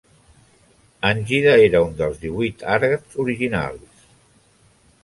Angida era un dels divuit Arhats originals.